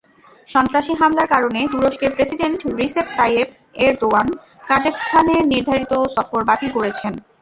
সন্ত্রাসী হামলার কারণে তুরস্কের প্রেসিডেন্ট রিসেপ তাইয়েপ এরদোয়ান কাজাখস্তানে নির্ধারিত সফর বাতিল করেছেন।